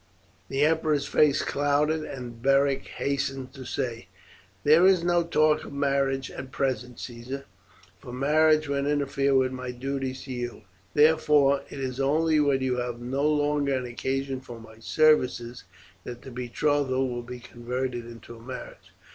The emperor's face clouded, and Beric hastened to say: "There is no talk of marriage at present, Caesar, for marriage would interfere with my duties to you. Therefore it is only when you have no longer an occasion for my services that the betrothal will be converted into marriage.